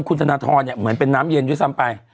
คุณธนทรเนี่ยเหมือนเป็นน้ำเย็นอยู่ทั้งสามไป